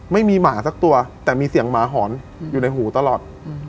ไม่มีหมาสักตัวแต่มีเสียงหมาหอนอยู่ในหูตลอด